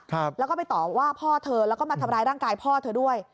ครับแล้วก็ไปต่อว่าพ่อเธอแล้วก็มาทำร้ายร่างกายพ่อเธอด้วย